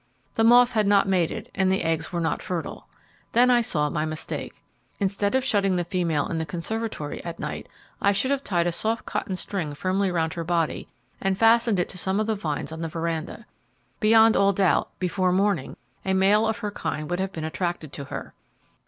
The moth had not mated and the eggs were not fertile. Then I saw my mistake. Instead of shutting the female in the conservatory at night, I should have tied a soft cotton string firmly around her body, and fastened it to some of the vines on the veranda. Beyond all doubt, before morning, a male of her kind would have been attracted to her.